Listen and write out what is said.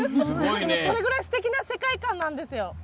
それぐらいすてきな世界観なんですよ。